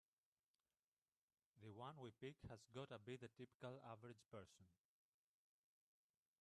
The one we pick has gotta be the typical average person.